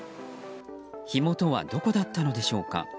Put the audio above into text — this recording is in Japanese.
火元はどこだったのでしょうか。